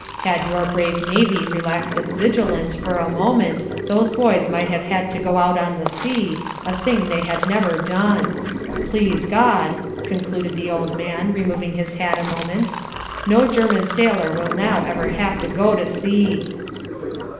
Had your brave navy relaxed its vigilance for a moment those boys might have had to go out on the sea, a thing they had never done. Please God," concluded the good old man, removing his hat a moment, "no German sailor now will ever have to go to sea."